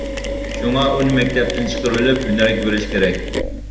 شۇڭا ئۇنى مەكتەپتىن چىقىرىۋېلىپ ھۈنەرگە بېرىش كېرەك.